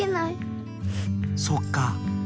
そっか。